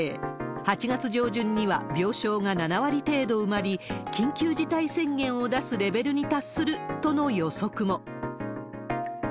８月上旬には病床が７割程度埋まり、緊急事態宣言を出すレベルに達するとの予測も。